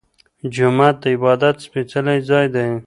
جومات د عبادت سپيڅلی ځای دی.